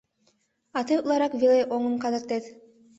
— А тый утларак веле оҥым кадыртет.